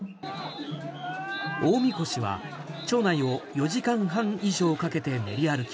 大みこしは町内を４時間半以上かけて練り歩き